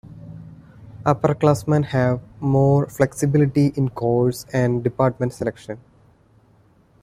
Upperclassmen have more flexibility in course and department selection.